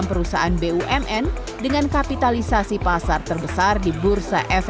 mereka telah memberikan